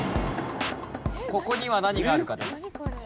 ここには何があるかです。